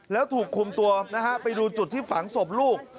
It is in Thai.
แล้วถูกคุมตัวนะฮะไปดูจุดที่ฝังศพลูก